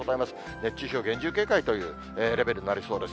熱中症、厳重警戒というレベルになりそうです。